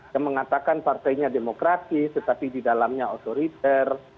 yang mengatakan partainya demokratis tetapi di dalamnya otoriter